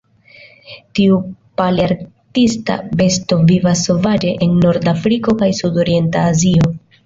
Tiu palearktisa besto vivas sovaĝe en Nord-Afriko kaj sudorienta Azio.